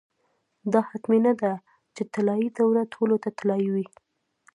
دا حتمي نه ده چې طلايي دوره ټولو ته طلايي وي.